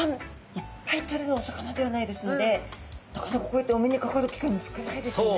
いっぱいとれるお魚ではないですのでなかなかこうやってお目にかかる機会も少ないですよね。